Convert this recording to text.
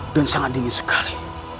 dan sangat dingin sekali